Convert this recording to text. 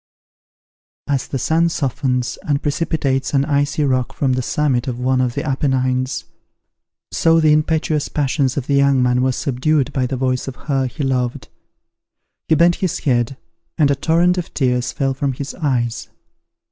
As the sun softens and precipitates an icy rock from the summit of one of the Appenines, so the impetuous passions of the young man were subdued by the voice of her he loved. He bent his head, and a torrent of tears fell from his eyes.